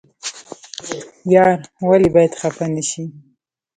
یار ولې باید خفه نشي؟